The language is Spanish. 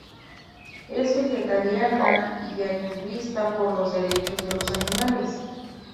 Es vegetariana y activista por los derechos de los animales.